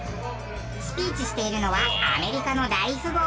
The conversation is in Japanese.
スピーチしているのはアメリカの大富豪。